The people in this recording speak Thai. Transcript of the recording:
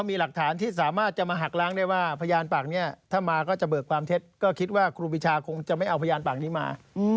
มันไม่มีประโยชน์ก็จะพูดถึงก่อนเลย